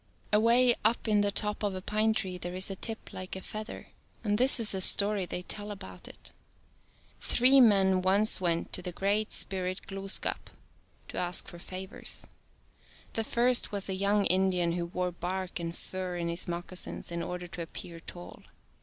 Away up in the top of a pine tree there is a tip like a feather. This is the story they tell about it. Three men once went to the great spirit Glooskap to ask for favors. The first was a young Indian who wore bark and fur in his moccasins in order to appear tall.